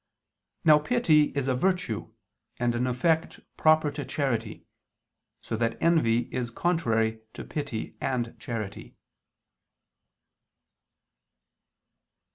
Now pity is a virtue, and an effect proper to charity: so that envy is contrary to pity and charity.